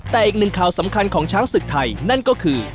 แต่อีกหนึ่งข่าวสำคัญของช้างศึกไทยนั่นก็คือ